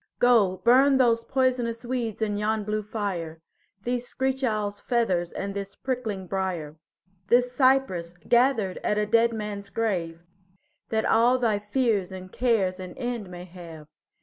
Go burn those poisonous weeds in yon blue fire, These screech owl's feathers and this prickling briar, This cypress gathered at a dead man's grave, That all thy fears and cares an end may have.